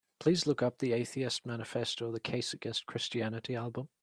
Please look up the Atheist Manifesto: The Case Against Christianity album.